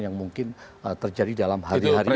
yang mungkin terjadi dalam hari hari ini